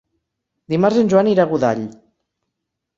Dimarts en Joan irà a Godall.